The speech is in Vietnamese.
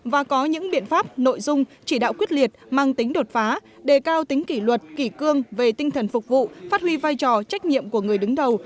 và có những biện pháp nội dung chỉ đạo quyết liệt mang tính đột phá đề cao tính kỷ luật kỷ cương về tinh thần phục vụ phát huy vai trò trách nhiệm của người đứng đầu